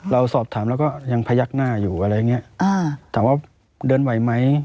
เราสอบถามแล้วก็ยังพยักหน้าอยู่อะไรอย่างเงี้ยถามว่าเดินไหวไหม